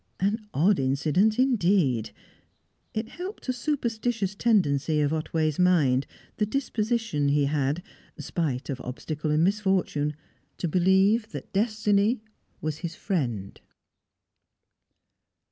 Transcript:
An odd incident, indeed. It helped a superstitious tendency of Otway's mind, the disposition he had, spite of obstacle and misfortune, to believe that destiny was his friend.